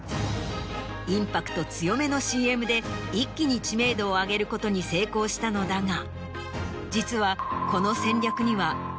インパクト強めのＣＭで一気に知名度を上げることに成功したのだが実は。